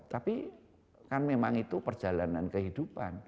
tapi kan memang itu perjalanan kehidupan